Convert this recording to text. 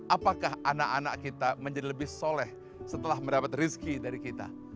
apakah anak anak kita menjadi lebih soleh setelah mendapat rezeki dari kita